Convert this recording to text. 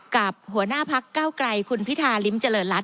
หัวหน้าพักเก้าไกรคุณพิธาริมเจริญรัฐ